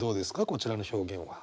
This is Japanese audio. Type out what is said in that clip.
こちらの表現は。